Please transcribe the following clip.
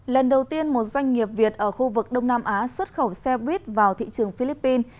lần đầu tiên một doanh nghiệp việt ở khu vực đông nam á xuất khẩu xe buýt vào thị trường philippines